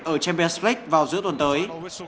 ở champions league vào giữa tuần tới